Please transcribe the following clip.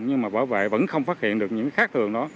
nhưng mà bảo vệ vẫn không phát hiện được những khác thường đó